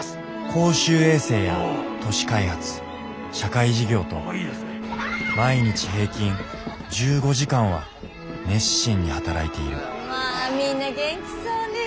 公衆衛生や都市開発社会事業と毎日平均１５時間は熱心に働いているまぁみんな元気そうねぇ。